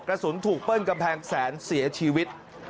กระสุนถูกเปิ้ลกำแพงแสนเสียชีวิต